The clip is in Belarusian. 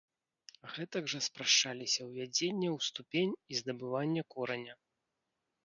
Гэтак жа спрашчаліся ўзвядзенне ў ступень і здабыванне кораня.